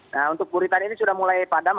nah untuk buritan ini sudah mulai padam